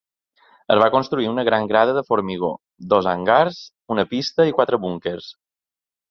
Es va construir una gran grada de formigó, dos hangars, una pista i quatre búnquers.